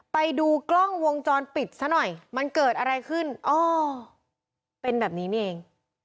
ไปดูกล้องวงจรปิดซะหน่อยมันเกิดอะไรขึ้นอ๋อเป็นแบบนี้นี่เอง